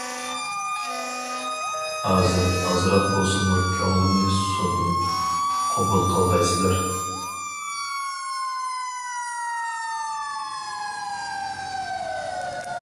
ھازىر ئازراق بولسىمۇ كۆڭلۈمنى سۇندۇم، قوبۇل قىلغايسىلەر.